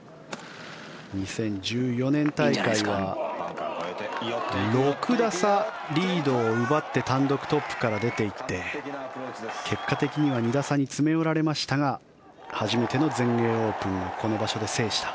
２０１４年大会は６打差リードを奪って単独トップから出ていって結果的には２打差に詰め寄られましたが初めての全英オープンをこの場所で制した。